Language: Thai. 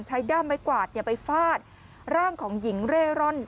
ด้ามไม้กวาดไปฟาดร่างของหญิงเร่ร่อน